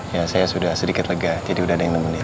ya saya sudah sedikit lega jadi sudah ada yang nemenin